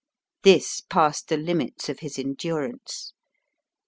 This passed the limits of his endurance.